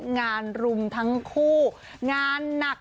งานรุมทั้งคู่งานหนัก